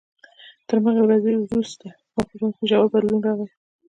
تر همغې ورځې وروسته زما په ژوند کې ژور بدلون راغی.